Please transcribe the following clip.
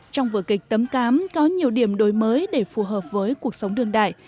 trong vở kịch tấm cám có nhiều điểm đổi mới để phù hợp với cuộc sống đương đại